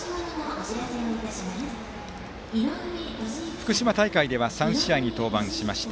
福島大会では３試合に登板しました。